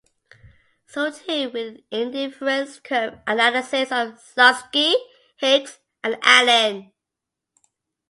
So too with the indifference curve analysis of Slutsky, Hicks, and Allen.